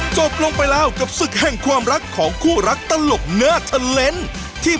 จบลงไปแล้วกับศึกแห่งความรักของคู่รักตลกหน้าเทอร์เลนส์ที่